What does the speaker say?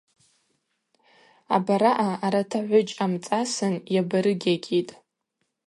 Абараъа арат агӏвыджь амцӏасын йабарыгьагьитӏ.